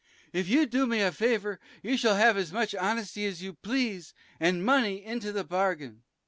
If you do me a favor, you shall have as much honesty as you please, and money into the bargain.